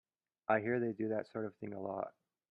I hear they do that sort of thing a lot.